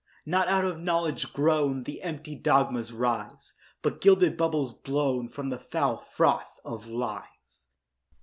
Not out of knowledge grown The empty dogmas rise, But gilded bubbles blown From the foul froth of lies.